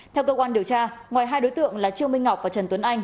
theo cơ quan điều tra ngoài hai đối tượng là trương minh ngọc và trần tuấn anh